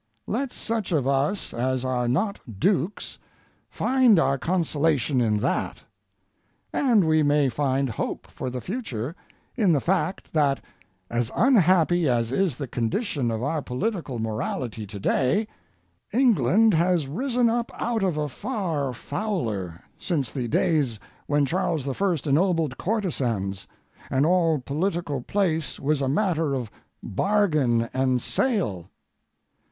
Let such of us as are not dukes find our consolation in that. And we may find hope for the future in the fact that as unhappy as is the condition of our political morality to day, England has risen up out of a far fouler since the days when Charles I. ennobled courtesans and all political place was a matter of bargain and sale.